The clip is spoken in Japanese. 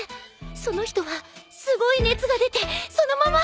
その人はすごい熱が出てそのまま。